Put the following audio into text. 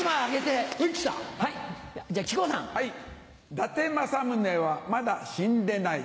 伊達政宗はまだ死んでない。